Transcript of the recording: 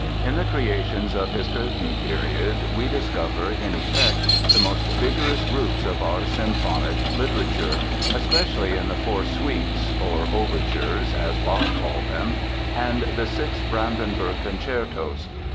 In the creations of his Cöthen period we discover, in effect, the most vigorous roots of our symphonic literature—especially in the four suites (or "overtures," as Bach called them) and the six "Brandenburg" Concertos!